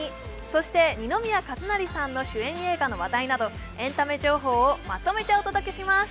そして二宮和也さんの主演映画の話題などエンタメ情報をまとめてお届けします。